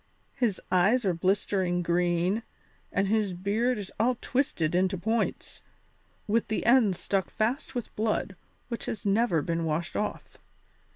His eyes are blistering green and his beard is all twisted into points, with the ends stuck fast with blood, which has never been washed off.